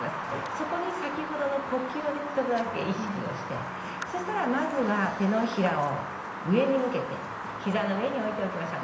そこに、先ほどの呼吸を意識してまずは手のひらを上に向けて膝の上に置いていきましょう。